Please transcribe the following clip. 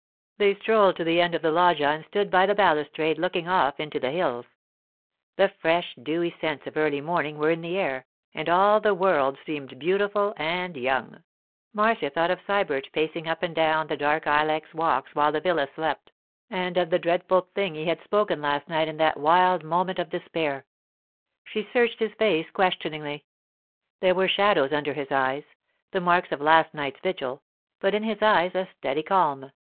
They strolled to the end of the loggia and stood by the balustrade, looking off into the hills. The fresh, dewy scents of early morning were in the air, and all the world seemed beautiful and young. Marcia thought of Sybert pacing up and down the dark ilex walks while the villa slept, and of the dreadful thing he had spoken last night in that wild moment of despair. She searched his face questioningly. There were shadows under his eyes, the marks of last night's vigil; but in his eyes a steady calm.